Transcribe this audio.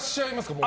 もう。